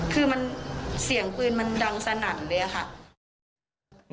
คือเสียงปืนมันดังสนั่นเลยค่ะ